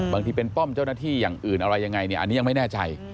บางทีเป็นป้อมเจ้าหน้าที่อย่างอื่นอะไรยังไงเนี่ยอันนี้ยังไม่แน่ใจ